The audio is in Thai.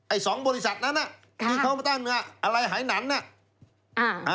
ไอ้สองบริษัทนั้นน่ะที่เขามาต้านเมืองอะไรหายหนันน่ะ